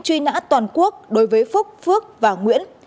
truy nã toàn quốc đối với phúc phước và nguyễn